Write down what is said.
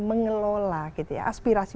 mengelola gitu ya aspirasi